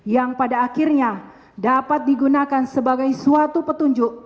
yang pada akhirnya dapat digunakan sebagai suatu petunjuk